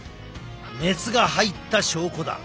熱が入った証拠だ。